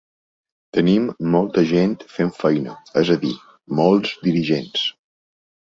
Tenim molta gent fent feina, és a dir, molts dirigents.